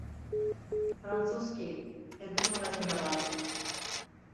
Французский, һеҙҙең магазинда бар.